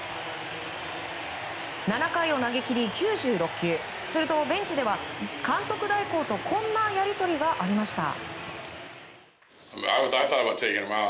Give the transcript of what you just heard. ７回を投げ切り９６球するとベンチでは監督代行とこんなやり取りがありました。